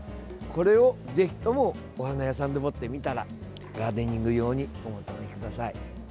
これを、ぜひともお花屋さんでもって見たらガーデニング用にお求めください。